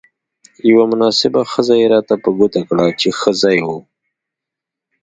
یوه مناسبه خزه يې راته په ګوته کړه، چې ښه ځای وو.